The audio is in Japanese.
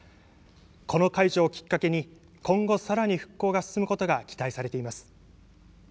この解除をきっかけに今後さらに復興が進むことが期待されています。